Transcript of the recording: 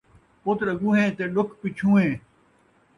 پُتر اڳوہیں تے ݙُکھ پچھوہیں